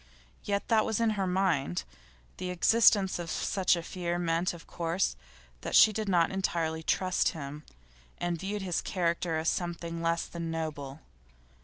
Yet that was in her mind. The existence of such a fear meant, of course, that she did not entirely trust him, and viewed his character as something less than noble.